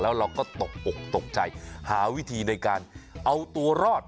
แล้วเราก็ตกอกตกใจหาวิธีในการเอาตัวรอด